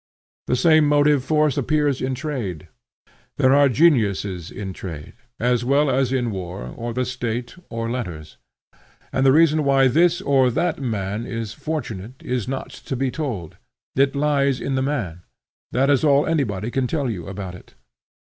The same motive force appears in trade. There are geniuses in trade, as well as in war, or the State, or letters; and the reason why this or that man is fortunate is not to be told. It lies in the man; that is all anybody can tell you about it.